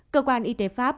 cơ quan y tế pháp